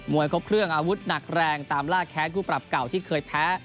วยครบเครื่องอาวุธหนักแรงตามล่าแค้นคู่ปรับเก่าที่เคยแพ้